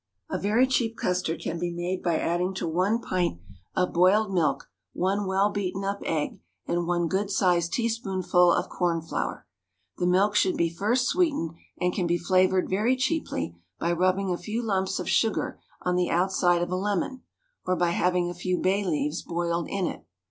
A very cheap custard can be made by adding to one pint of boiled milk one well beaten up egg and one good sized teaspoonful of corn flour. The milk should be first sweetened, and can be flavoured very cheaply by rubbing a few lumps of sugar on the outside of a lemon, or by having a few bay leaves boiled in it.